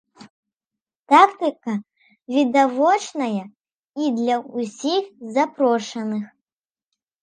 Тактыка відавочная і для ўсіх запрошаных.